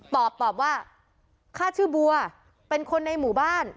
ตอบตอบว่าข้าชื่อบัวเป็นคนในหมู่บ้าน